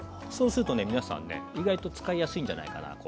そうするとね皆さんね意外と使いやすいんじゃないかな。